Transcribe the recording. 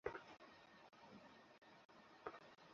ওরা তো ছিল এক সত্যত্যাগী সম্প্রদায়।